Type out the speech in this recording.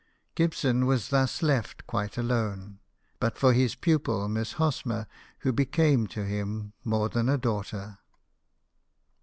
Gibson was thus left quite alone, but for his pupil Miss Hosmer, who became to him more than a daughter.